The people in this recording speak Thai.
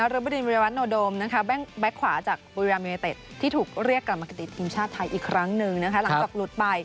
ที่เรียกกลับมากืนไอ้ทีมชาติไทยอีกครั้งหนึ่งนะคะ